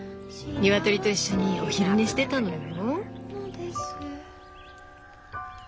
鶏と一緒にお昼寝してたのよ。